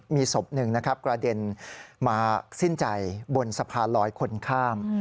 มีศพหนึ่งนะครับกระเด็นมาสิ้นใจบนสะพานลอยคนข้าม